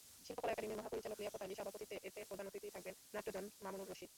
শিল্পকলা একাডেমির মহাপরিচালক লিয়াকত আলীর সভাপতিত্বে এতে প্রধান অতিথি থাকবেন নাট্যজন মামুনুর রশীদ।